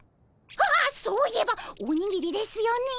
ああそういえばおにぎりですよねえ。